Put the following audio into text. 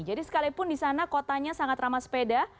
jadi sekalipun di sana kotanya sangat ramah sepeda